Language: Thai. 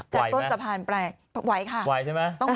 จากต้นสะพานไปไหวค่ะ